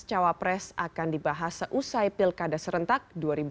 cawapres akan dibahas seusai pilkada serentak dua ribu delapan belas